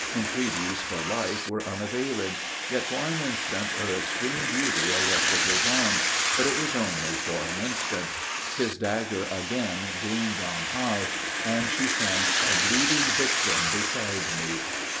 Entreaties for life were unavailing; yet for an instant her extreme beauty arrested his arm, but it was only for an instant. His dagger again gleamed on high, and she sank a bleeding victim beside me.